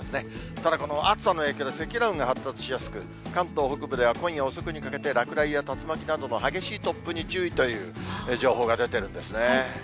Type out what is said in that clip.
ただこの暑さの影響で積乱雲が発達しやすく、関東北部では今夜遅くにかけて落雷や竜巻などの激しい突風に注意という情報が出てるんですね。